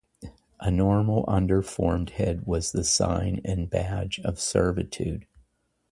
A normal, undeformed head was the sign and badge of servitude.